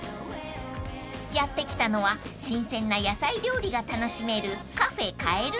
［やって来たのは新鮮な野菜料理が楽しめる］